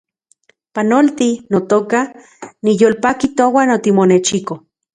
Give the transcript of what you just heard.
Panolti, notoka , niyolpaki touan otimonechiko